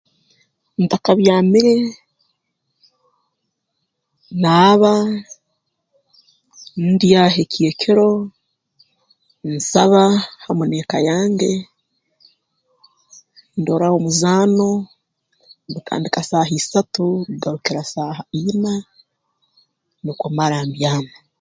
Ntakabyamiire naaba ndya ekyekiro nsaba hamu n'eka yange ndoraho omuzaano gutandika saaha isatu kugarukira saaha ina nukwo mara mbyama